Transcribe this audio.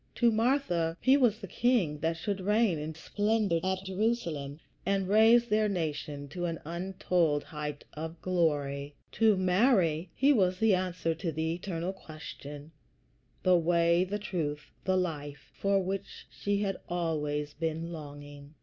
To Martha he was the King that should reign in splendor at Jerusalem, and raise their nation to an untold height of glory; to Mary he was the answer to the eternal question the Way, the Truth, the Life, for which she had been always longing.